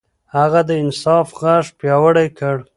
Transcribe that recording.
هغه د انصاف غږ پياوړی کړ.